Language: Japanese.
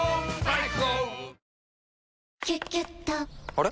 あれ？